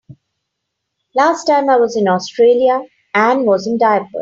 Last time I was in Australia Anne was in diapers.